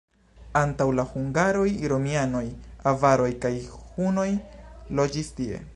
Antaŭ la hungaroj romianoj, avaroj kaj hunoj loĝis tie.